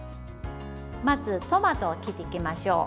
まずトマトを切っていきましょう。